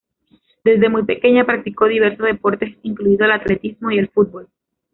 Desde muy pequeña practicó diversos deportes incluido el atletismo y el fútbol.